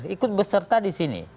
ikut beserta di sini